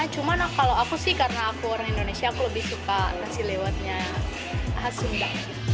cuma kalau aku sih karena aku orang indonesia aku lebih suka nasi lewatnya khas sunda